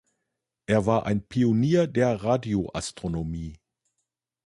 Er war ein Pionier der Radioastronomie.